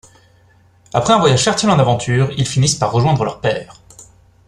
Après un voyage fertile en aventures, ils finissent par rejoindre leur père.